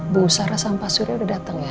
bu sarah sama pak suri udah dateng ya